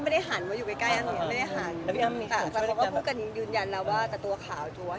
ดรดมันเกิดแบบพี่มีคนจิ้นเกินตรงกับภาพออกมา